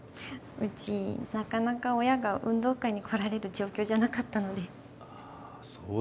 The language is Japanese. うちなかなか親が運動会に来られる状況じゃなかったのでああ